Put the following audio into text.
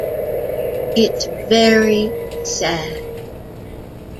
It's very sad.